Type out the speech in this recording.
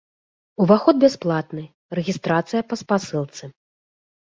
Уваход бясплатны, рэгістрацыя па спасылцы.